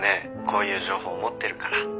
こういう情報持ってるから。